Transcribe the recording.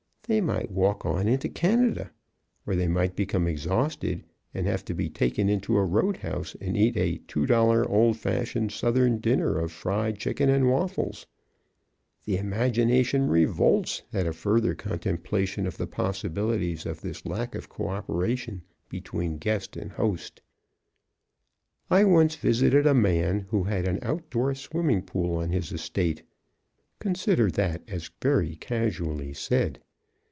They might walk on into Canada, or they might become exhausted and have to be taken into a roadhouse and eat a "$2 old fashioned Southern dinner of fried chicken and waffles." The imagination revolts at a further contemplation of the possibilities of this lack of coöperation between guest and host. [Illustration: "So on they jog.... Each wishing that it would rain."] I once visited a man who had an outdoor swimming pool on his estate. (Consider that as very casually said.)